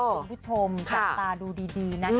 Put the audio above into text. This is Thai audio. โอ้โฮสวัสดีคุณผู้ชมจับตาดูดีนัทนี้